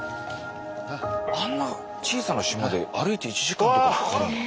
あんな小さな島で歩いて１時間とかかかるんだ。